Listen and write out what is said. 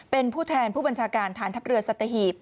เป็นผู้แทนผู้บัญชาการฐานทัพเรือสัตหีบ